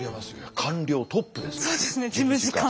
官僚トップですから。